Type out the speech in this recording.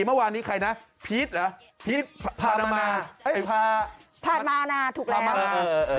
เมื่อวานนี้ใครนะพีทเหรอพีทพามานาพามานาถูกแล้วเออเออเออ